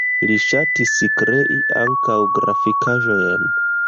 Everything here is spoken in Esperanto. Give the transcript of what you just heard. Li ŝatis krei ankaŭ grafikaĵojn.